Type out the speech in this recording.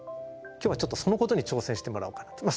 今日はちょっとそのことに挑戦してもらおうかなと。